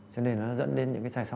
cho nên nó dẫn đến